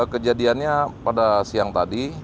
kejadiannya pada siang tadi